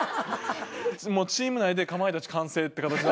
チーム内でかまいたち完成って形に。